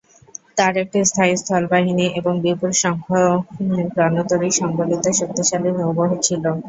তাঁর একটি স্থায়ী স্থল বাহিনী এবং বিপুল সংখ্যক রণতরী সংবলিত শক্তিশালী নৌবহর ছিল।